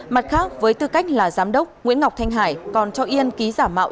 mặt khác với tư cách là giám đốc nguyễn ngọc thanh hải còn cho yên ký giả mạo